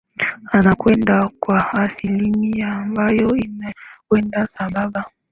ana kwenda kwa asilimia ambao inakwenda sambamba